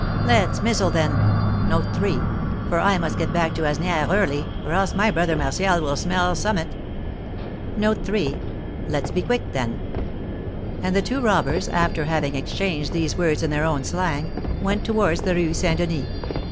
"Let's mizzle, then; for I must get back to Asnières early, or else my brother Martial will smell summut." "Let's be quick, then." And the two robbers, after having exchanged these words in their own slang, went towards the Rue St. Denis.